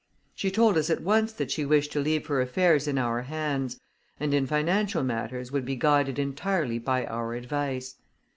She told us at once that she wished to leave her affairs in our hands, and in financial matters would be guided entirely by our advice.